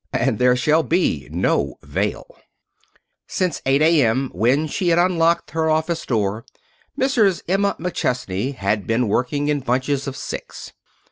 And there shall be no veil. Since 8 A.M., when she had unlocked her office door, Mrs. Emma McChesney had been working in bunches of six.